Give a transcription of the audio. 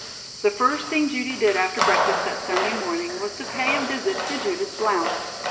The first thing Judy did after breakfast that Sunday morning was to pay a visit to Judith Blount.